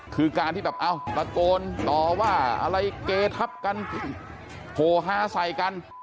คือการที่ประโกนต่อว่าอะไรเกธับกันโหฮาใส่กัน